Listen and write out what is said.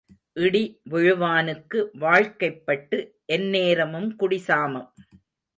இடி விழுவானுக்கு வாழ்க்கைப்பட்டு எந்நேரமும் குடி சாமம்.